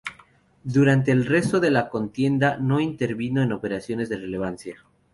Durante el resto de la contienda no intervino en operaciones de relevancia.